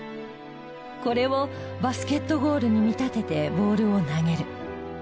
これをバスケットゴールに見立ててボールを投げる。